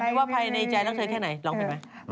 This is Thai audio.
ไม่ว่าภายในใจรักเธอค่ะลองเปลี่ยน